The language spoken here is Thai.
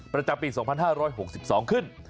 ประจำปี๒๕๖๒ขึ้น